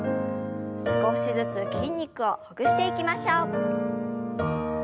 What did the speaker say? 少しずつ筋肉をほぐしていきましょう。